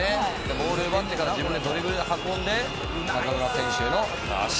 ボール奪ってから自分でドリブルで運んで中村選手へのアシスト。